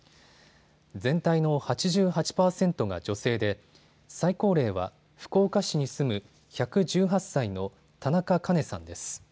全体の８８％が女性で、最高齢は福岡市に住む１１８歳の田中カ子さんです。